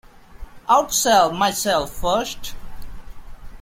I'd sell myself first.